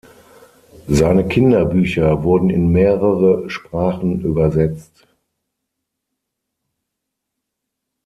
Seine Kinderbücher wurden in mehrere Sprachen übersetzt.